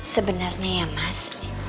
sebenarnya ya mas